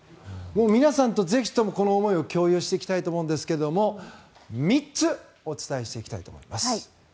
皆さんとぜひともこの思いを共有していきたいと思うんですけれども３つお伝えしていきたいと思います。